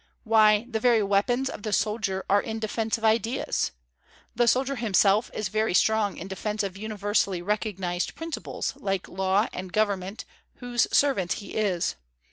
Why, the very weapons of the soldier are in defence of ideas! The soldier himself is very strong in defence of universally recognized principles, like law and government, whose servant he is.